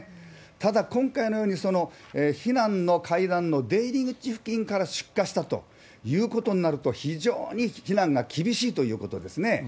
ただ、今回のように避難の階段の出入り口付近から出火したということになると、非常に避難が厳しいということですね。